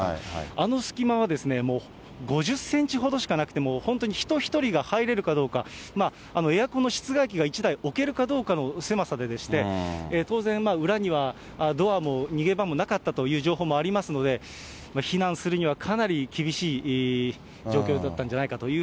あの隙間は５０センチほどしかなくて、本当に人１人が入れるかどうか、エアコンの室外機が１台置けるかどうかの狭さででして、当然、裏にはドアも、逃げ場もなかったという情報もありますので、避難するにはかなり厳しい状況だったんじゃないかという